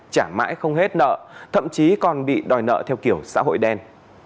trả mãi không hết nợ thậm chí còn bị đòi nợ theo kiểu xã hội đen